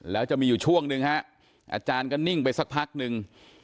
แล้วจะมีอยู่ช่วงหนึ่งฮะอาจารย์ก็นิ่งไปสักพักนึง